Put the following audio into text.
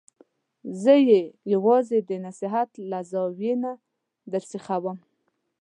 زه یې یوازې د نصحت له زاویې نه درسیخوم.